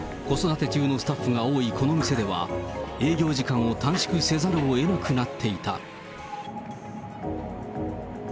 子育て中のスタッフが多いこの店では、営業時間を短縮せざるをえなくなっていた。